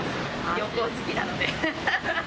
旅行好きなので。